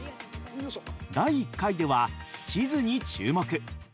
第１回では地図に注目。